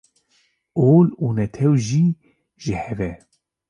Ol û netew jî ji hev e.